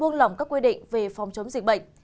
buông lỏng các quy định về phòng chống dịch bệnh